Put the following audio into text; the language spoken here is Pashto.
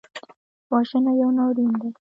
وژنه یو ناورین دی